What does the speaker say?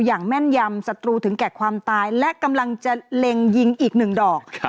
อย่างแม่นยำศัตรูถึงแก่ความตายและกำลังจะเล็งยิงอีกหนึ่งดอก